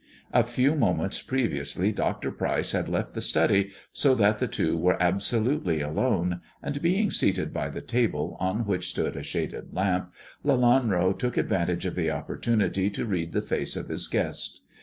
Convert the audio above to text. A few moments previously Dr. Pryce had left the study, so that the two were absolutely alone, and being seated by the table on which stood a shaded lamp, Lelanro took advantage of the opportunity to read the face of his guest.